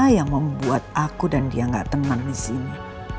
yang membuat aku dan dia gak tenang disini